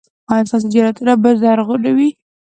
ایا ستاسو جنتونه به زرغون نه وي؟